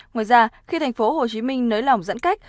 ngoài ra khi thành phố hồ chí minh nới lỏng giãn cách